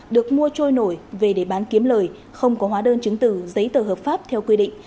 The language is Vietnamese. được mua trôi nổi về để bán kiếm lời không có hóa đơn chứng từ giấy tờ hợp pháp theo quy định